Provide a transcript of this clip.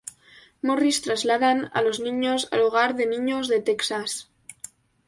Morris trasladan a los niños al Hogar de Niños de Texas.